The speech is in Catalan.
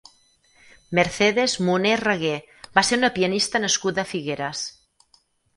Mercedes Moner Raguer va ser una pianista nascuda a Figueres.